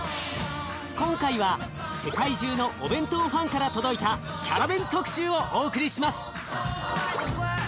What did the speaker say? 今回は世界中のお弁当ファンから届いたキャラベン特集をお送りします。